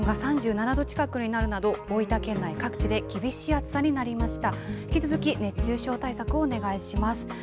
また日田市では気温が３７度近くになるなど大分県内各地で厳しい暑さになりました。